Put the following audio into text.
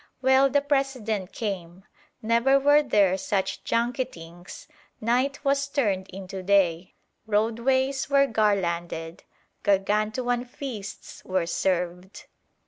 Well, the President came. Never were there such junketings: night was turned into day; roadways were garlanded; gargantuan feasts were served.